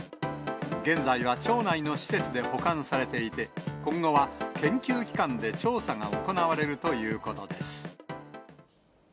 現在は町内の施設で保管されていて、今後は研究機関で調査が行われるということです。